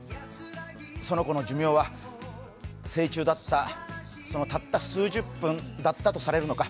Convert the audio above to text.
その子の寿命は成虫だったそのたった数十分だったとされるのか。